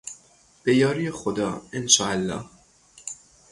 به یاری خدا، انشاالله